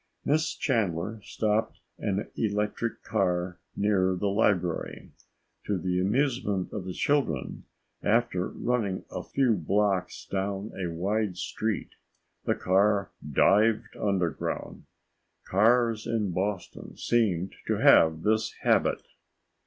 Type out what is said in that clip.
Miss Chandler stopped an electric car near the library. To the amusement of the children, after running a few blocks down a wide street, the car dived underground. Cars in Boston seemed to have this habit.